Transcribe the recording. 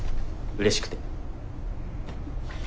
うれしくて。